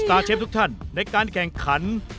เชฟทุกท่านในการแข่งขัน